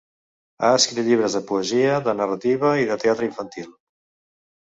Ha escrit llibres de poesia, de narrativa i de teatre infantil.